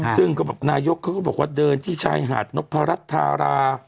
ซึ่งก็บอกนายกเขาก็บอกว่าเดินที่ชายหาดนพรัชธารา